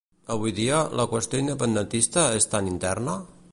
Avui dia, la qüestió independentista és tan interna?